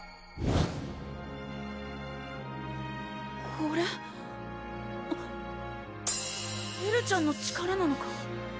これエルちゃんの力なのか？